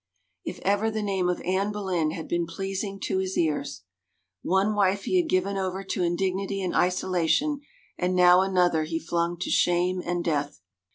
... If ever the name of Anne Boleyn had been pleasing to his ears! ... One wife he had given over to indignity and isolation, and now another he flung to shame and death.